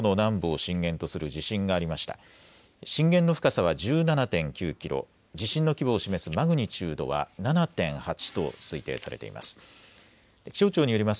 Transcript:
震源の深さは１７．９キロ、地震の規模を示すマグニチュードは７．８と推定されています。